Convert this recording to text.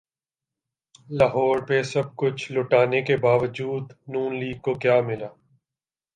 لاہور پہ سب کچھ لٹانے کے باوجود ن لیگ کو کیا ملا؟